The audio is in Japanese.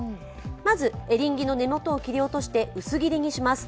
まず、エリンギの根元を切り落として薄切りにします。